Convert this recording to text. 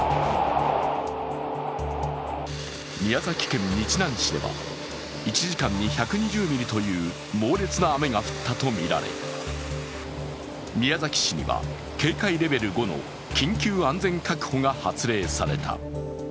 宮崎県日南市では１時間に１２０ミリという猛烈な雨が降ったとみられ、宮崎市には警戒レベル５の緊急安全確保が発令された。